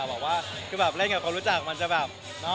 แรงกับความรู้จักมันจะแบบ